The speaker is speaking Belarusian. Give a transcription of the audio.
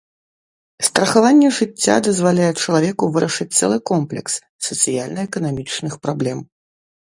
Страхаванне жыцця дазваляе чалавеку вырашыць цэлы комплекс сацыяльна-эканамічных праблем.